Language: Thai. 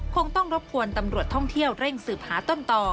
คงต้องรบกวนตำรวจท่องเที่ยวเร่งสืบหาต้นต่อ